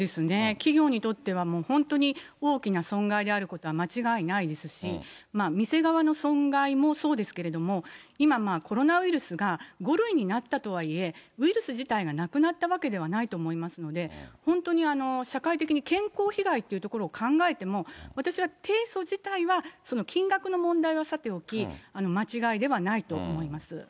企業にとってはもう本当に大きな損害であることは間違いないですし、店側の損害もそうですけれども、今、コロナウイルスが５類になったとはいえ、ウイルス自体がなくなったわけではないと思いますので、本当に社会的に健康被害っていうところを考えても、私は提訴自体は、金額の問題はさておき、間違いではないと思います。